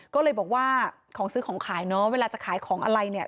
ก็เลยบอกว่าของซื้อของขายเนาะเวลาจะขายของอะไรเนี่ย